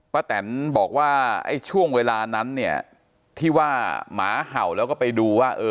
แตนบอกว่าไอ้ช่วงเวลานั้นเนี่ยที่ว่าหมาเห่าแล้วก็ไปดูว่า